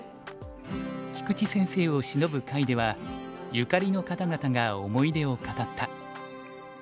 「菊池先生を偲ぶ会」ではゆかりの方々が思い出を語った。